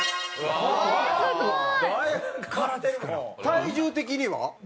体重的には？